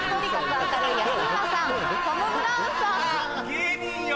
芸人よ。